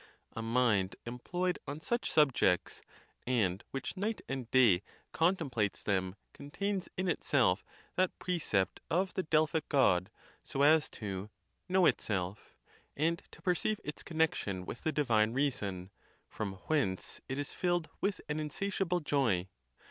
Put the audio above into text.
A mind employed on such subjects, and which night and day contemplates them, contains in itself that precept of the Delphic God, so as to " know itself," and to perceive its connection with the divine reason, from whence it is filled with an insatiable joy.